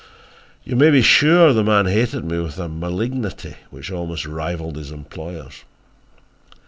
"You may be sure the man hated me with a malignity which almost rivalled his employer's.